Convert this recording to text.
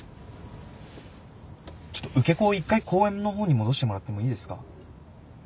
ちょっと受け子を一回公園の方に戻してもらってもいいですか？